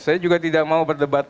saya juga tidak mau berdebat